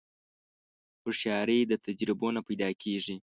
هوښیاري د تجربو نه پیدا کېږي.